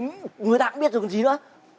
người ta cũng biết rồi còn gì nữa